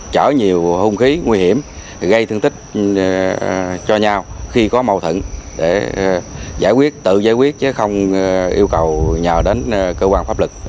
chở nhiều hung khí nguy hiểm gây thương tích cho nhau khi có mâu thẫn để giải quyết tự giải quyết chứ không yêu cầu nhờ đến cơ quan